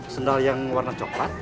sendal yang warna coklat